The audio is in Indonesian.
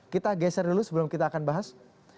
kita geser dulu sebelum kita akan bahas